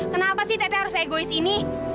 kenapa sih tete harus egois ini